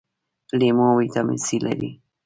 لیمو ویټامین سي لري